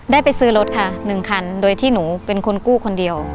ได้ไปซื้อรถค่ะ๑คันโดยที่หนูเป็นคนกู้คนเดียว